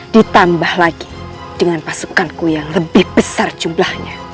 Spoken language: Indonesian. ditambah lagi dengan pasukanku yang lebih besar jumlahnya